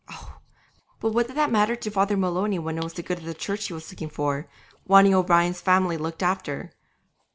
Oh! but what did that matter to Father Maloney when it was the good of the Church he was looking for, wanting O'Brien's family looked after?